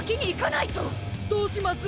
どうします？